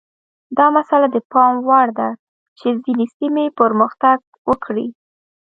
دا مسئله د پام وړ ده چې ځینې سیمې پرمختګ وکړي.